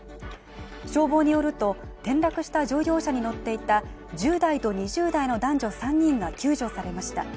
消防によると、転落した乗用車に乗っていた１０代と２０代の男女３人が救助されました。